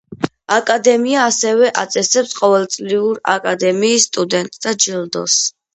აკადემია ასევე აწესებს ყოველწლიურ აკადემიის სტუდენტთა ჯილდოს.